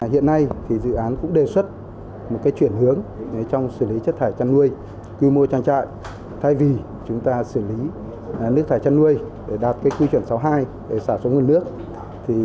hiện nay dự án cũng đề xuất một chuyển hướng trong xử lý chất thải chăn nuôi